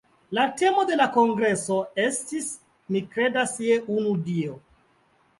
La temo de la kongreso estis "Mi kredas je unu Dio".